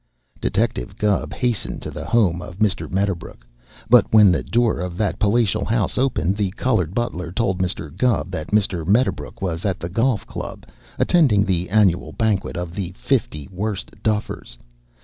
Detective Gubb hastened to the home of Mr. Medderbrook, but when the door of that palatial house opened, the colored butler told Mr. Gubb that Mr. Medderbrook was at the Golf Club, attending the annual banquet of the Fifty Worst Duffers.